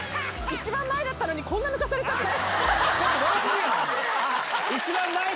一番前だったのに、こんな抜かされちゃって。